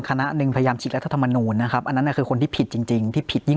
คณะหนึ่งพยายามใช้รัฐธรรมนูนนะครับอันนั้นน่ะคือคนที่ผิดจริงจริง